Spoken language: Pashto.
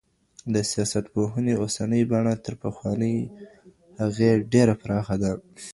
د سياست پوهني اوسنۍ بڼه تر پخوانۍ هغې ډېره پراخه ده.